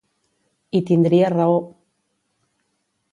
I tindria raó.